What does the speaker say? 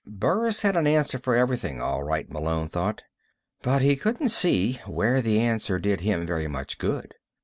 Burris had an answer for everything, all right, Malone thought. But he couldn't see where the answer did him very much good.